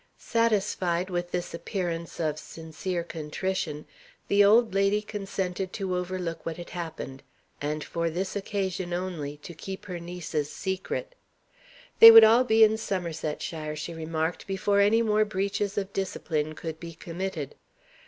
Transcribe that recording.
Satisfied with this appearance of sincere contrition, the old lady consented to overlook what had happened; and, for this occasion only, to keep her niece's secret. They would all be in Somersetshire, she remarked, before any more breaches of discipline could be committed.